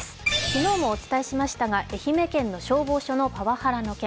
昨日もお伝えしましたが、愛媛県の消防署のパワハラの件。